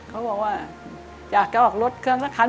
เขาบอกว่าอยากจะออกรถเครื่องสักคัน